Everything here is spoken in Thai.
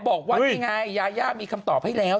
บอกว่าไอ้ง่ายมีคำตอบให้แล้ว